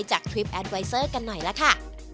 อ๋อล่ะมาดู่สมกันกันดีกว่ามันนะคะ